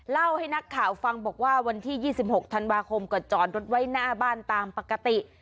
เล่าให้นักข่าวฟังบอกว่าวันที่๒๖ธันวาคมก็จอดรถไว้หน้าบ้านตามปกติ